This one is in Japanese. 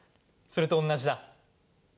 それと同じだ。